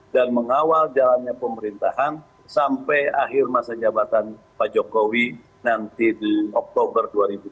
dan mengawal jalannya pemerintahan sampai akhir masa jabatan pak jokowi nanti di oktober dua ribu dua puluh empat